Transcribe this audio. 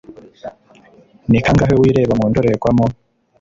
Ni kangahe wireba mu ndorerwamo?